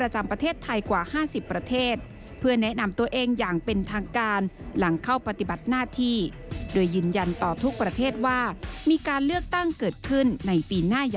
จากรายงานครับ